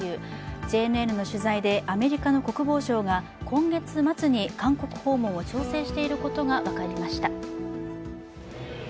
ＪＮＮの取材でアメリカの国防相が今月末に韓国訪問を調整していることが分かりました。